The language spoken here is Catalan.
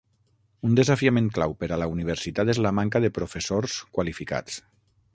Un desafiament clau per a la universitat és la manca de professors qualificats.